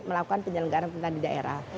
melakukan penyelenggaraan pemerintahan di daerah